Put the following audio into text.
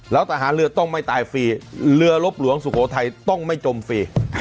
แล้วทหารเรือต้องไม่ตายฟรีเรือลบหลวงสุโขทัยต้องไม่จมฟรี